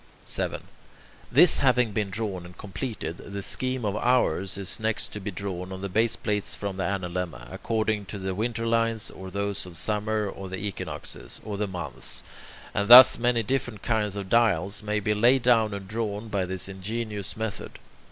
7. This having been drawn and completed, the scheme of hours is next to be drawn on the baseplates from the analemma, according to the winter lines, or those of summer, or the equinoxes, or the months, and thus many different kinds of dials may be laid down and drawn by this ingenious method.